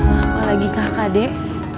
apalagi kakak dek